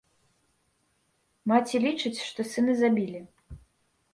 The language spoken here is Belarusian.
Маці лічыць, што сына забілі.